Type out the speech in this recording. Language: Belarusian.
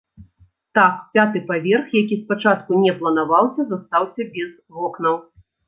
Так, пяты паверх, які спачатку не планаваўся, застаўся без вокнаў.